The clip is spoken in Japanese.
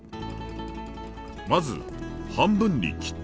まず半分に切って。